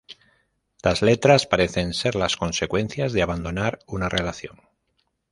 Las letras parecen ser las consecuencias de abandonar una relación.